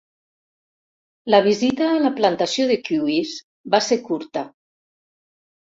La visita a la plantació de kiwis va ser curta.